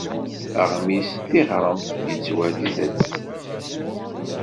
Aɣmis Tiɣremt yettwagdel.